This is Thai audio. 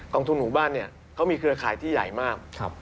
ทุนหมู่บ้านเนี่ยเขามีเครือข่ายที่ใหญ่มาก